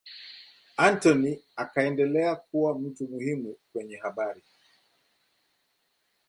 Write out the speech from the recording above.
Anthony akaendelea kuwa mtu muhimu kwenye habari.